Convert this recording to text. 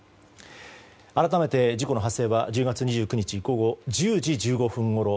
改めて、事故の発生は１０月２９日午後１０時１５分ごろ。